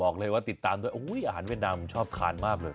บอกเลยว่าติดตามด้วยอาหารเวียดนามชอบทานมากเลย